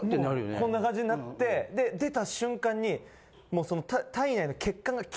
こんな感じになって出た瞬間にもうその。